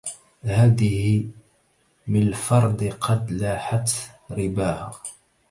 هذه ملفرد قد لاحت رباها